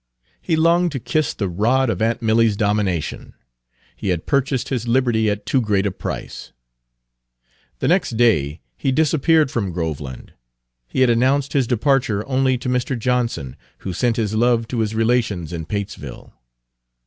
He longed to kiss the rod of aunt Milly's domination. He had purchased his liberty at too great a price. The next day he disappeared from Groveland. He had announced his departure only to Mr. Johnson, who sent his love to his relations in Patesville.